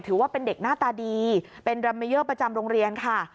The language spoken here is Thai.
ถือว่าเป็นเด็กหน้าตาดีเป็นรัมเมเยอร์ประจำโรงเรียนค่ะ